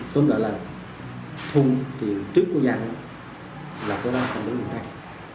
tốn đợi là thu tiền trước của gia đình là tối nay không đối tượng cách